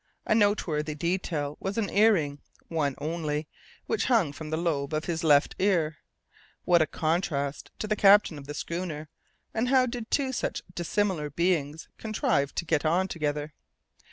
A noteworthy detail was an ear ring, one only, which hung from the lobe of his left ear. What a contrast to the captain of the schooner, and how did two such dissimilar beings contrive to get on together?